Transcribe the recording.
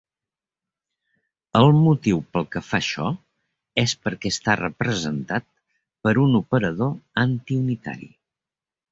El motiu pel que fa això és perquè està representat per un operador anti-unitari.